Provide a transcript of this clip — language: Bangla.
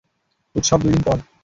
উৎসব দুই দিন পর।